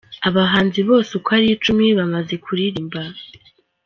Abahanzi bose uko ari icumi bamaze kuririmba.